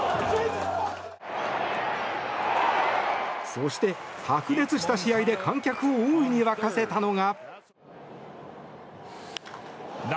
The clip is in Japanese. そして、白熱した試合で観客を大いに沸かせたのが。